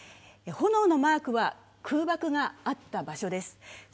炎のマークは空爆があった場所です。